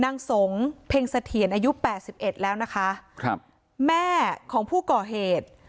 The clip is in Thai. นางสงเพ็งเสถียรอายุแปดสิบเอ็ดแล้วนะคะครับแม่ของผู้ก่อเหตุ